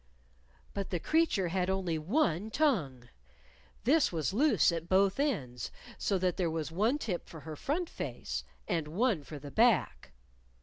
But the creature had only one tongue. This was loose at both ends, so that there was one tip for her front face, and one for the back.